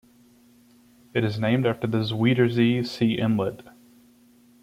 It is named after the Zuiderzee sea inlet.